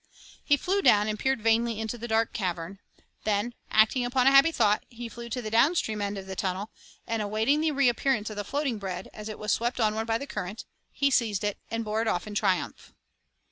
He flew down and peered vainly into the dark cavern, then, acting upon a happy thought, he flew to the downstream end of the tunnel, and awaiting the reappearance of the floating bread, as it was swept onward by the current, he seized and bore it off in triumph.